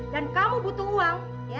dan kamu butuh uang